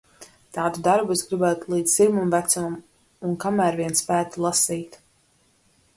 Tādu darbu es gribētu līdz sirmam vecumam un kamēr vien spētu lasīt.